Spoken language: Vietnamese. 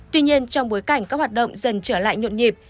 tuy nhiên trong bối cảnh các hoạt động dần trở lại nhộn nhịp